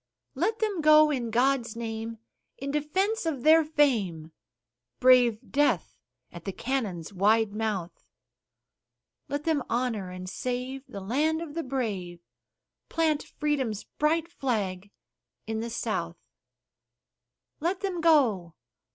Let them go, in God's name, in defense of their fame, Brave death at the cannon's wide mouth; Let them honor and save the land of the brave, Plant Freedom's bright flag in the South. Let them go!